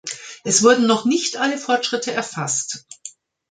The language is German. Es wurden noch nicht alle Fortschritte erfasst.